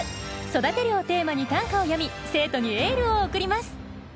「育てる」をテーマに短歌を詠み生徒にエールを送ります。